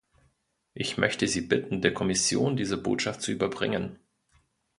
Ich möchte Sie bitten, der Kommission diese Botschaft zu überbringen.